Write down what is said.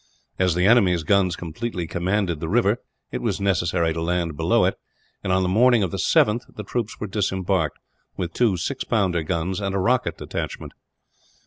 As the enemy's guns completely commanded the river, it was necessary to land below it; and on the morning of the 7th the troops were disembarked, with two six pounder guns and a rocket detachment.